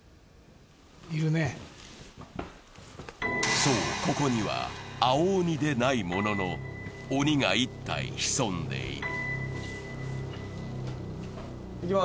そう、ここには青鬼でないものの鬼が１体潜んでいる。